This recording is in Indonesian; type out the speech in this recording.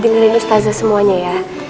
dengerin ustazah semuanya ya